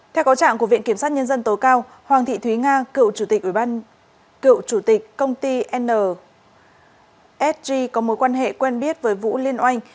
theo có trạng của viện kiểm sát nhân dân tố cao hoàng thị thúy nga cựu chủ tịch công ty n s g có mối quan hệ quen biết với vũ liên oanh